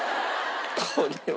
これは。